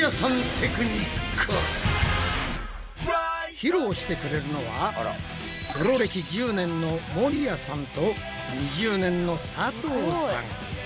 披露してくれるのはプロ歴１０年の森谷さんと２０年の佐藤さん。